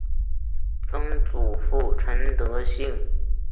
曾祖父陈德兴。